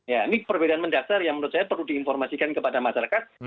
ya ini perbedaan mendasar yang menurut saya perlu diinformasikan kepada masyarakat